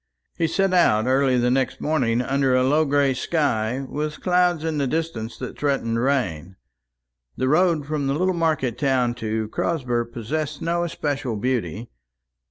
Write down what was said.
He set out early the next morning under a low gray sky, with clouds in the distance that threatened rain. The road from the little market town to Crosber possessed no especial beauty.